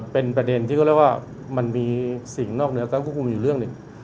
เป็นประเด็นที่เรียกว่ามันมีสิ่งนอกเนื้อก็ควรมีเรื่อง